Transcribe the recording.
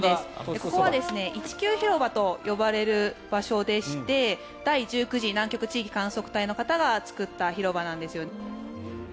ここは１９広場と呼ばれる場所でして第１９次南極地域観測隊の人が作った広場なんですよね。